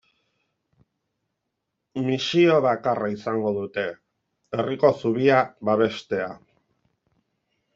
Misio bakarra izango dute: herriko zubia babestea.